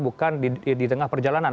bukan di tengah perjalanan